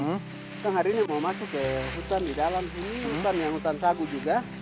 kita hari ini mau masuk ke hutan di dalam sini hutan yang hutan sagu juga